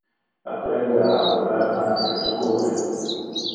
Apprende a ambular ante que tu curre.